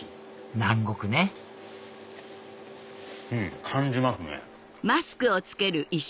南国ねうん感じますね。